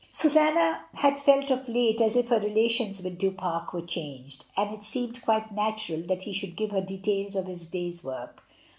Susanna had felt of late as if her relations with Du Pare were changed, and it seemed quite natural that he should give her details of his day's work.